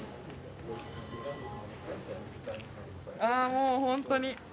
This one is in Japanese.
もう、本当に。